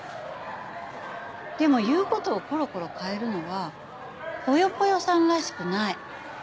でも言う事をコロコロ変えるのはぽよぽよさんらしくない。